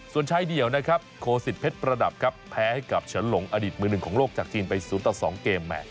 ส่วนชายเดี่ยวนะครับโคสิตเพชรประดับครับแพ้ให้กับเฉินหลงอดีตมือหนึ่งของโลกจากจีนไป๐ต่อ๒เกม